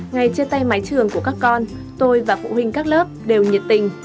ngày chia tay mái trường của các con tôi và phụ huynh các lớp đều nhiệt tình